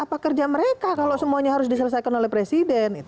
apa kerja mereka kalau semuanya harus diselesaikan oleh presiden